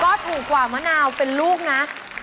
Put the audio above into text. ก็ถูกกว่ามะนาวเป็นลูกนะ